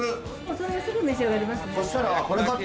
それはすぐ召し上がれます。